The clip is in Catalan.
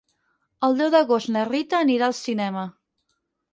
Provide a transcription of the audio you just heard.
El deu d'agost na Rita anirà al cinema.